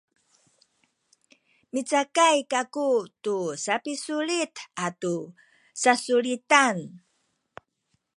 micakay kaku tu sapisulit atu sasulitan